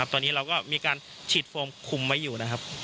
ตอนนี้เราก็มีการฉีดโฟมคุมไว้อยู่นะครับ